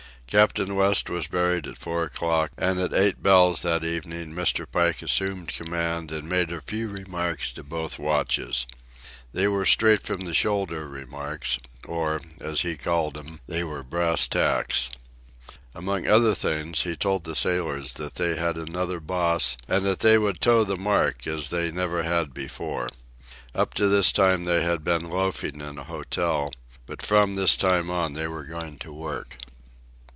Captain West was buried at four o'clock, and at eight bells that evening Mr. Pike assumed command and made a few remarks to both watches. They were straight from the shoulder remarks, or, as he called them, they were "brass tacks." Among other things he told the sailors that they had another boss, and that they would toe the mark as they never had before. Up to this time they had been loafing in an hotel, but from this time on they were going to work.